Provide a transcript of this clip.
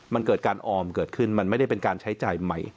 มันเกิดการออมเกิดขึ้นมันไม่ได้เป็นการใช้จ่ายใหม่